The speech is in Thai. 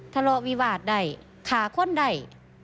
ทะเลาะวิวาสได้ขาคนได้